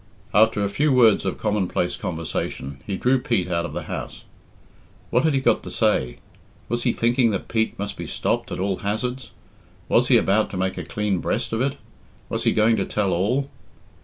After a few words of commonplace conversation, he drew Pete out of the house. What had he got to say? Was he thinking that Pete must be stopped at all hazards? Was he about to make a clean breast of it? Was he going to tell all?